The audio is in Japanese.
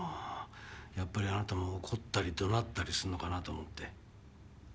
やっぱりあなたも怒ったり怒鳴ったりすんのかなと思って。